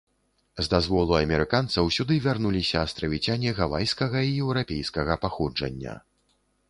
З дазволу амерыканцаў сюды вярнуліся астравіцяне гавайскага і еўрапейскага паходжання.